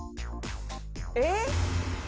えっ？